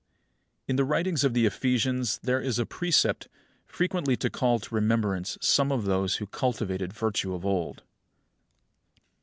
26. In the writings of the Ephesians there is a precept, frequently to call to remembrance some of those who cultivated virtue of old.